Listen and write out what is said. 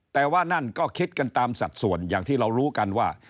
แต่ว่านั่นก็คิดกันตามสัดส่วนอย่างที่เรารู้กันว่า